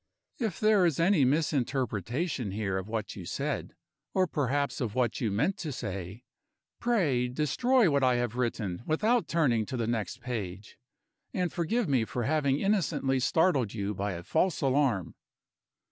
"If there is any misinterpretation here of what you said, or perhaps of what you meant to say, pray destroy what I have written without turning to the next page; and forgive me for having innocently startled you by a false alarm."